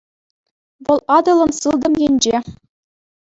Вӑл Атӑлӑн сылтӑм енче.